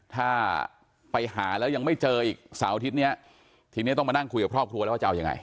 ถ้าไปหาแล้วยังไม่เจออีกเสาร์อาทิตย์เนี้ยทีนี้ต้องมานั่งคุยกับครอบครัวแล้วว่าจะเอายังไง